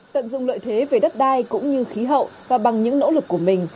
tận dụng lợi thế về đất đai cũng như khí hậu và bằng những nỗ lực của mình